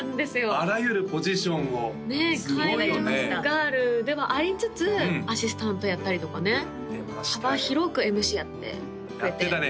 あらゆるポジションをＫａｉｕｎＧｉｒｌではありつつアシスタントやったりとかね幅広くＭＣやってくれてやってたね